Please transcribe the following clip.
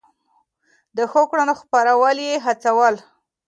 د ښو کړنو خپرول يې هڅول.